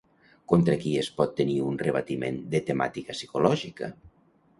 Contra qui es pot tenir un rebatiment de temàtica psicològica?